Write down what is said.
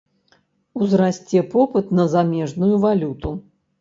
Узрасце попыт на замежную валюту.